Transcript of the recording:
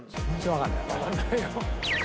わかんないよ。